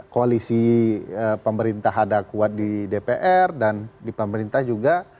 koalisi pemerintah ada kuat di dpr dan di pemerintah juga